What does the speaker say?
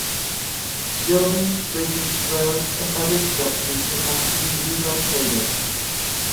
Buildings, bridges, roads and other structures would have to be relocated.